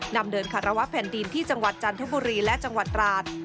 นำเดินคารวะแผ่นดินที่จังหวัดจันทบุรีและจังหวัดตราด